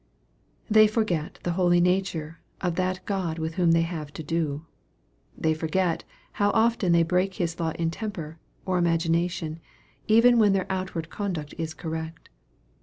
They forget the holy nature of that God with whom they have to do. They forget how often they break His law in temper, or imagination, even when their outward conduct is correct.